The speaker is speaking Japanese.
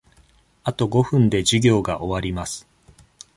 あと五分で授業が終わります。